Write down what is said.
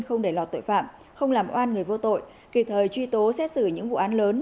không để lọt tội phạm không làm oan người vô tội kỳ thời truy tố xét xử những vụ án lớn